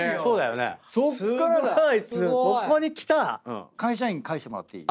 ここにきた⁉会社員返してもらっていい？